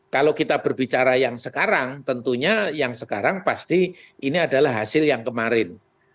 kalau kita berbicara yang sekarang tentunya yang sekarang pasti ini adalah hasil yang kemarin